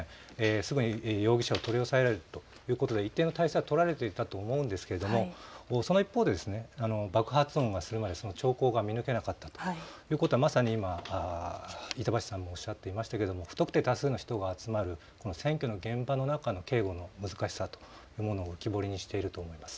すぐに容疑者を取り押さえたということで一定の対策は取られていたと思うんですけどその一方で爆発音がするまで兆候が見抜けなかったということは、まさに板橋さんもおっしゃっていましたけれども不特定多数の人が集まる選挙の現場の中の警護の難しさというものを浮き彫りにしていると思います。